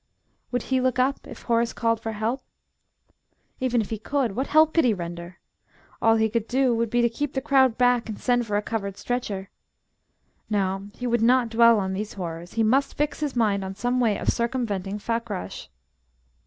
Would he look up if Horace called for help? Even if he could, what help could he render? All he could do would be to keep the crowd back and send for a covered stretcher. No, he would not dwell on these horrors; he must fix his mind on some way of circumventing Fakrash.